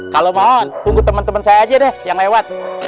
kalau mau tunggu temen temen saya aja deh yang lewat